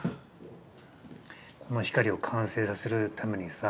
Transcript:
この光を完成させるためにさ